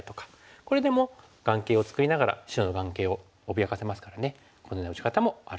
これでも眼形を作りながら白の眼形を脅かせますからねこのような打ち方もあるかなと。